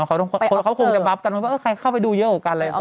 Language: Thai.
เขาควรจะบั๊บกันว่าคุณเข้าไปดูเยอะกว่ากัน